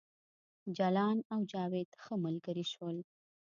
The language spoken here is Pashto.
جلان او جاوید ښه ملګري شول